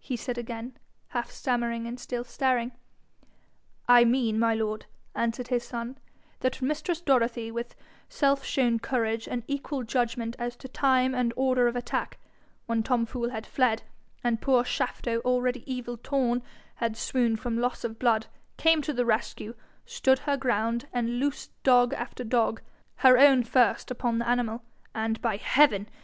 he said again, half stammering, and still staring. 'I mean, my lord,' answered his son, 'that mistress Dorothy, with self shown courage, and equal judgment as to time and order of attack, when Tom Fool had fled, and poor Shafto, already evil torn, had swooned from loss of blood, came to the rescue, stood her ground, and loosed dog after dog, her own first, upon the animal. And, by heaven!